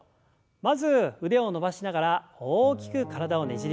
まず腕を伸ばしながら大きく体をねじります。